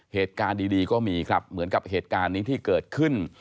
เหตุการณ์ดีก็มีครับเหมือนกับเหตุการณ์นี้ที่เกิดขึ้น